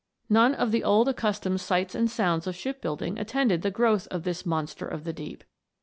None of the old accustomed sights and sounds of ship building attended the growth of this monster of the deep.